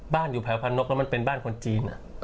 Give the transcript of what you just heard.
บ้านอยู่แผลพานกแล้วมันเป็นบ้านคนจีนอ่ะ